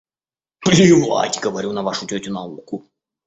Плевать, говорю, на вашу тётю науку.